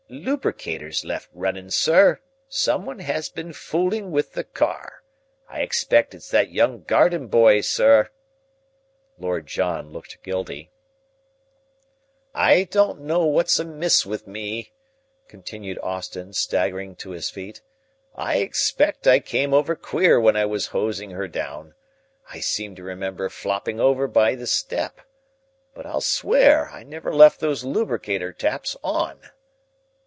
"Lubricators left running, sir. Someone has been fooling with the car. I expect it's that young garden boy, sir." Lord John looked guilty. "I don't know what's amiss with me," continued Austin, staggering to his feet. "I expect I came over queer when I was hosing her down. I seem to remember flopping over by the step. But I'll swear I never left those lubricator taps on."